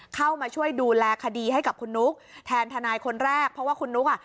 เข้ามาช่วยดูแลคดีให้กับคุณนุ๊กแทนทนายคนแรกเพราะว่าคุณนุ๊กอ่ะ